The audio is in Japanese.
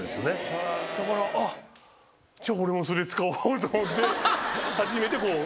だからあっじゃあ俺もそれ使おうと思って初めて。